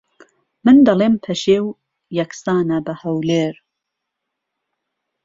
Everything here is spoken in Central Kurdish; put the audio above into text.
من دەڵێم پەشێو یەکسانە بە ھەولێر